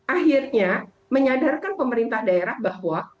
akhirnya menyadarkan pemerintah daerah bahwa